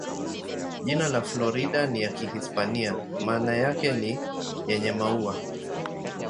Jina la Florida ni ya Kihispania, maana yake ni "yenye maua".